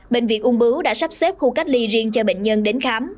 bệnh viện ung bướu đã sắp xếp khu cách ly riêng cho bệnh nhân đến khám